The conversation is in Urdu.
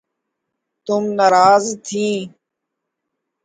تم ناراض تھیں